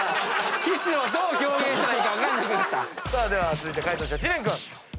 続いて解答者知念君。